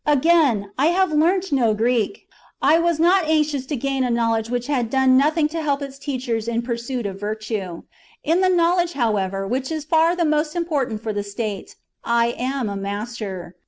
Again, I have learnt no Greek ; I was not anxious to gain a knowledge which had done nothing , THE JUGURTHINE WAR. 215 to help its teachers in the pursuit of virtue. In the chap. LXXXV. knowledge, however, which is far the most important for the state, I am a master.